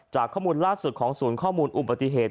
ข้อมูลล่าสุดของศูนย์ข้อมูลอุบัติเหตุ